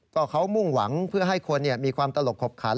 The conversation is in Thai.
ก็เขามุ่งหวังเพื่อให้คนมีความตลกขบขัน